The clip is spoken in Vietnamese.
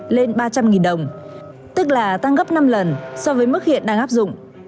lên ba trăm linh đồng tức là tăng gấp năm lần so với mức hiện đang áp dụng